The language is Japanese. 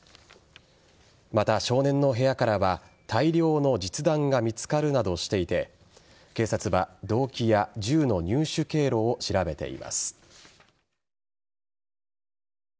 また、少年の部屋からは大量の実弾が見つかるなどしていて警察は、動機や銃の入手経路を調べています。